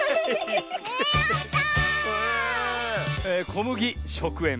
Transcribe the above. こむぎしょくえん